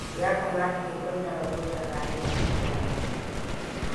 Ya kamata ku kunna rahoton ranar Litinin.